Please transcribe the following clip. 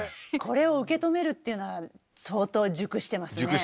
これを受け止めるっていうのは熟してますね。